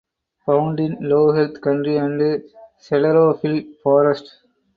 Found in low heath country and sclerophyll forest.